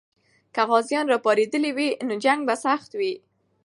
که غازیان راپارېدلي وي، نو جنګ به سخت وي.